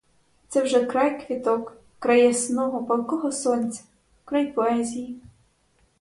Це вже край квіток, край ясного палкого сонця, край поезії.